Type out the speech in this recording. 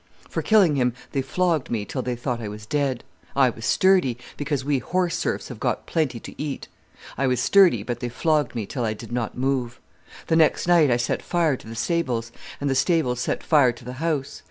"For killing him they flogged me till they thought I was dead. I was sturdy, because we horse serfs got plenty to eat. I was sturdy, but they flogged me till I did not move. The next night I set fire to the stables, and the stables set fire to the house.